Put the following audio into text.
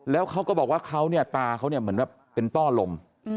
แล้วเขาก็บอกว่าเขาเนี่ยตาเขาเนี่ยเหมือนแบบเป็นต้อลม